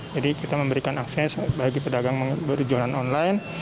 jadi kita memberikan akses bagi pedagang berjualan online